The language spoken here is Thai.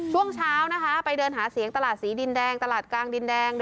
ช่วงเช้านะคะไปเดินหาเสียงตลาดสีดินแดงตลาดกลางดินแดง